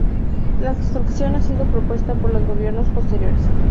La construcción ha sido pospuesta por los gobiernos posteriores.